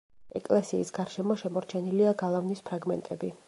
ეკლესიის გარშემო შემორჩენილია გალავნის ფრაგმენტები.